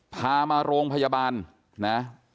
พามาโรงพยาบาลนะ